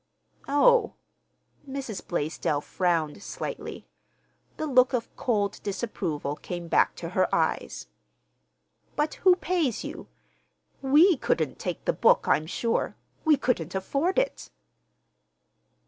"Oh!" Mrs. Blaisdell frowned slightly. The look of cold disapproval came back to her eyes. "But who pays you? we couldn't take the book, I'm sure. We couldn't afford it."